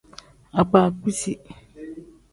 Akpa akpiizi.